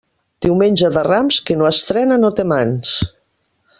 Diumenge de Rams, qui no estrena no té mans.